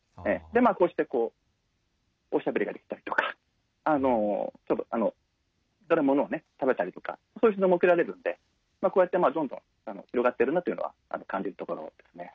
でこうしておしゃべりができたりとかちょっとものを食べたりとかそういう指導も受けられるのでこうやってどんどん広がってるなというのは感じるところですね。